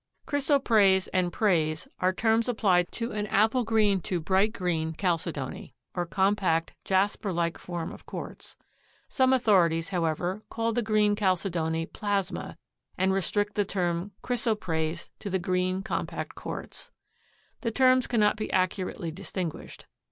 Chrysoprase and Prase are terms applied to an apple green to bright green chalcedony or compact, jasper like form of quartz. Some authorities, however, call the green chalcedony plasma and restrict the term chrysoprase to the green compact quartz. The terms cannot be accurately distinguished.